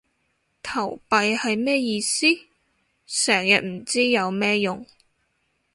投幣係咩意思？成日唔知有咩用